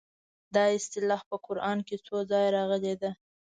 دا اصطلاح په قران کې څو ځایه راغلې ده.